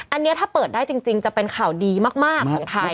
อันนี้ถ้าเปิดได้จริงจะเป็นข่าวดีมากของไทย